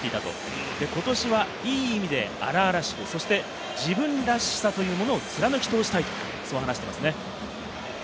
今年はいい意味で荒々しく、自分らしさというものを貫き通したいと話しています。